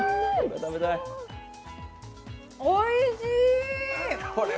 おいしい！